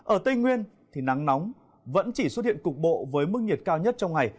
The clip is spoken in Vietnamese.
ở tây nguyên thì nắng nóng vẫn chỉ xuất hiện cục bộ với mức nhiệt cao nhất trong ngày